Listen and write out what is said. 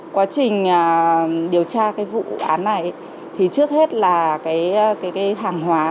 quá trình điều tra vụ án này trước hết là hàng hóa